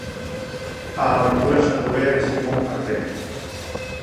A aventura xacobea de Simón Martel.